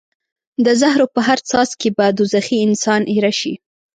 د زهرو په هر څاڅکي به دوزخي انسان ایره شي.